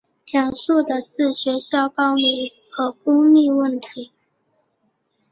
讲述的是学校暴力和孤立问题。